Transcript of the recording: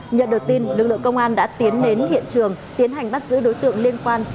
nhận được tin lực lượng công an đã tiến đến hiện trường tiến hành bắt giữ đối tượng liên quan